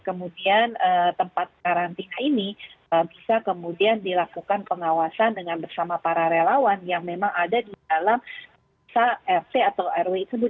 kemudian tempat karantina ini bisa kemudian dilakukan pengawasan dengan bersama para relawan yang memang ada di dalam rt atau rw tersebut